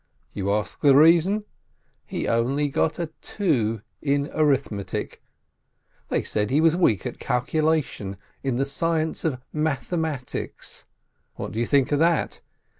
You ask the reason? He only got a two in arithmetic; they said he was weak at calculation, in the science of mathematics. What do you think of that?